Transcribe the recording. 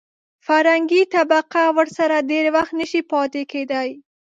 فرهنګي طبقه ورسره ډېر وخت نشي پاتې کېدای.